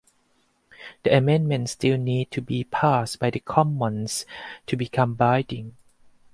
The amendment still needs to be passed by the Commons to become binding.